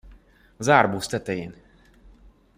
Az árboc tetején.